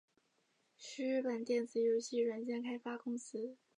是日本电子游戏软体开发公司。